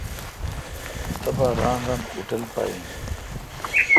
تبا ران ران اوٹل پہ این۔